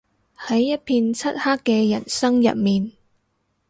喺一片漆黑嘅人生入面